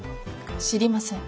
知りません。